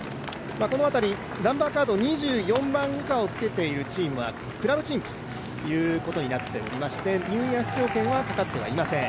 この辺り２４番以下をつけているチームはクラブチームということになっておりまして、ニューイヤー出場権はかかっていません。